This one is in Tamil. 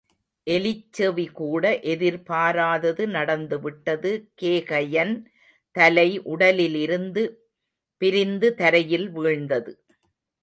எலிச்செவிகூட எதிர்பாராதது நடந்துவிட்டது கேகயன் தலை உடலிலிருந்து பிரிந்து தரையில் வீழ்ந்தது.